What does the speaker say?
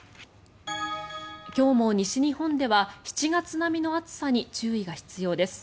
今日も西日本では７月並みの暑さに注意が必要です。